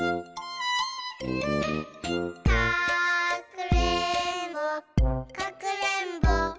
「かくれんぼかくれんぼ」